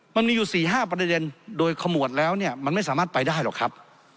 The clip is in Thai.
มันมีอยู่๔๕ประเด็นโดยขมวดแล้วเนี่ยมันไม่สามารถไปได้หรอกครับ